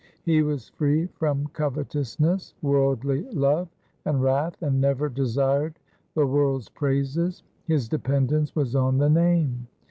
He was free from covetousness, worldly love, and wrath, and never desired the world's praises. His dependence was on the Name.